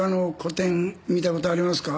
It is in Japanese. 見たことありますか？